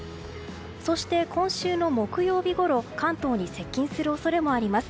そして、今週の木曜日ごろ関東に接近する恐れもあります。